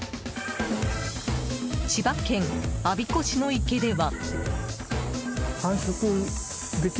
千葉県我孫子市の池では。